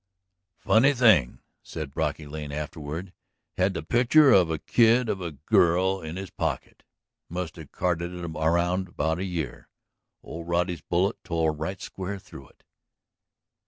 "Funny thing," said Brocky Lane afterward. "Had the picture of a kid of a girl in his pocket! Must have carted it around for a year. Old Roddy's bullet tore right square through it."